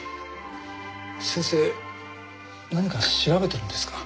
先生何か調べてるんですか？